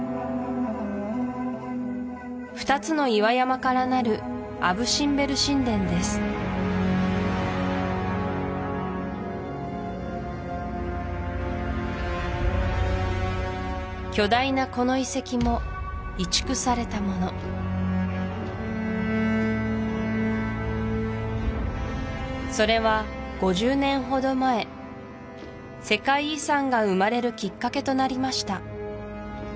２つの岩山から成る巨大なこの遺跡も移築されたものそれは５０年ほど前世界遺産が生まれるきっかけとなりました